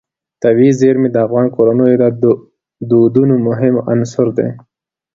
طبیعي زیرمې د افغان کورنیو د دودونو مهم عنصر دی.